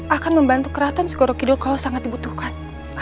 akan membantu keraton segoro kidul kalau sangat dibutuhkan